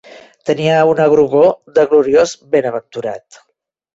Tenia una grogor de gloriós benaventurat